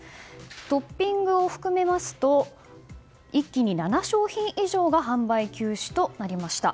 トッピングを含めますと一気に７商品以上が販売休止となりました。